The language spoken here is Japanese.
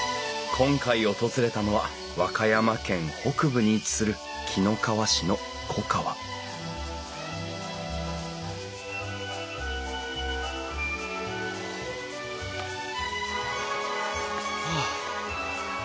今回訪れたのは和歌山県北部に位置する紀の川市の粉河はあ。